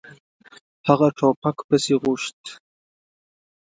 هغه ټوپک پسې غوښت.